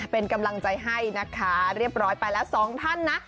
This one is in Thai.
เป็นกำลังใจให้นะคะเรียบร้อยไปแล้วสองท่านนะ